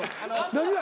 何が？